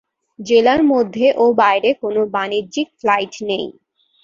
জেলার মধ্যে ও বাইরে কোনো বাণিজ্যিক ফ্লাইট নেই।